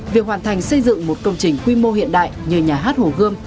việc hoàn thành xây dựng một công trình quy mô hiện đại như nhà hát hồ gươm